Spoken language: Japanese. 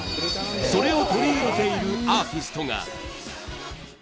それを取り入れているアーティストが。